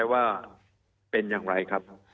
มีความรู้สึกว่ามีความรู้สึกว่า